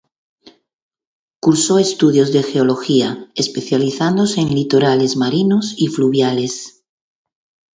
Cursó estudios de Geología, especializándose en litorales marinos y fluviales.